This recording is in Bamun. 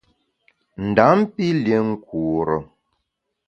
Ndam pi lié nkure.